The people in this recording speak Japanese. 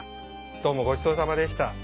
どうもごちそうさまでした。